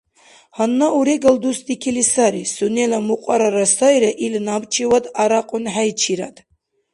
Гьанна урегал дус дикили сари, сунела мукьарара сайра, ил набчивад арякьунхӀейчирад.